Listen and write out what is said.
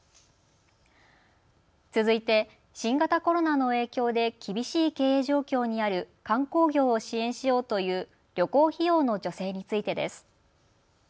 続いて新型コロナの影響で厳しい経営状況にある観光業を支援しようという旅行費用の助成についてです。